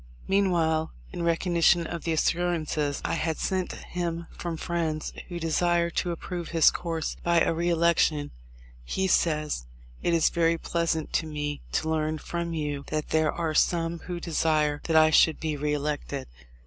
Meanwhile, in recognition of the assurances I had sent him from friends who desired to approve his course by a re election, he says: "It is very pleasant to me to learn from you that there are some who desire that I should be re elected.